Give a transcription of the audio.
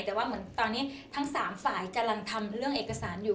แต่ว่าเหมือนตอนนี้ทั้ง๓ฝ่ายกำลังทำเรื่องเอกสารอยู่